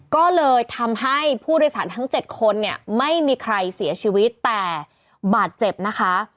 ก็เลยทำให้ผู้โดยสารทั้ง๗คนเนี่ยไม่มีใครเสียชีวิตแต่บาดเจ็บนะคะ